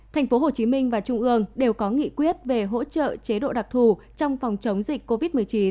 tp hcm và trung ương đều có nghị quyết về hỗ trợ chế độ đặc thù trong phòng chống dịch covid một mươi chín